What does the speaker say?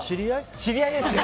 知り合いですよ！